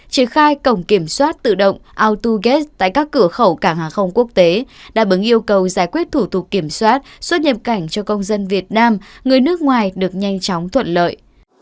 triển khai cổng kiểm soát tự động autogate tại các cửa khẩu cảng hàng không quốc tế đáp ứng yêu cầu giải quyết thủ tục kiểm soát xuất nhập cảnh cho công dân việt nam người nước ngoài được nhanh chóng thuận lợi